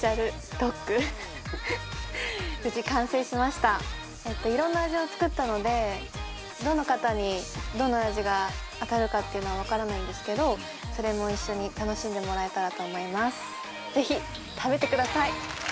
ドッグ無事完成しました色んな味を作ったのでどの方にどの味が当たるかっていうのは分からないんですけどそれも一緒に楽しんでもらえたらと思います